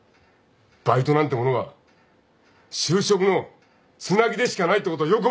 バイトなんてものは就職のつなぎでしかないってことをよく覚えとけ。